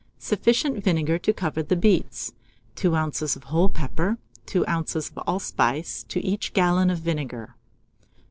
Sufficient vinegar to cover the beets, 2 oz. of whole pepper, 2 oz. of allspice to each gallon of vinegar.